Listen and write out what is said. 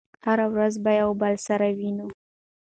هره ورځ به يو بل سره وينو